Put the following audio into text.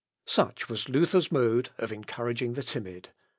" Such was Luther's mode of encouraging the timid.